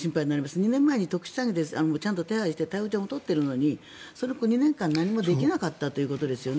２年前に特殊詐欺でちゃんと手配して逮捕状も取っているのにその後、２年間何もできなかったということですよね。